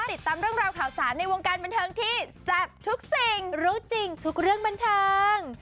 ติดตามเรื่องราวข่าวสารในวงการบันเทิงที่แซ่บทุกสิ่งรู้จริงทุกเรื่องบันเทิง